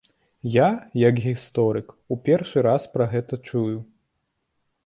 Я, як гісторык, у першы раз пра гэта чую.